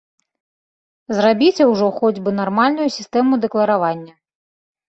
Зрабіце ўжо хоць бы нармальную сістэму дэкларавання!